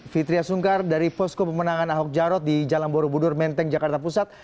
fitriah sungkar dari posko pemenangan ahok jarot di jalan borobudur menteng jakarta pusat